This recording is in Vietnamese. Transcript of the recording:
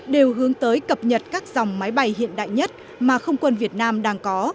đều hướng tới cập nhật các dòng máy bay hiện đại nhất mà không quân việt nam đang có